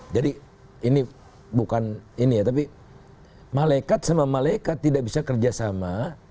jadi ini bukan ini ya tapi malekat sama malekat tidak bisa kerjasama